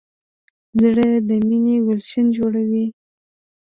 زړه د مینې ګلشن جوړوي.